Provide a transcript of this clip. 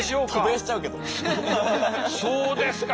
そうですか。